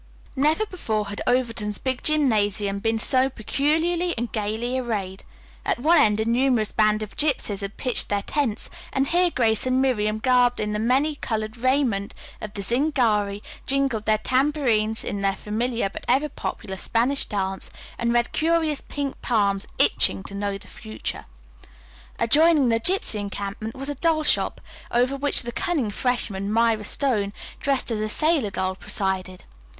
Never before had Overton's big gymnasium been so peculiarly and gayly arrayed. At one end a numerous band of gypsies had pitched their tents and here Grace and Miriam, garbed in the many colored raiment of the Zingari, jingled their tambourines in their familiar but ever popular Spanish dance, and read curious pink palms itching to know the future. Adjoining the gypsy encampment was a doll shop, over which the cunning freshman, Myra Stone, dressed as a sailor doll, presided.